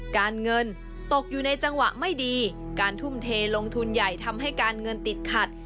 การเงินตกอยู่ในจังหวะไม่ดีการทุ่มเทลงทุนใหญ่ทำให้การเงินติดขัด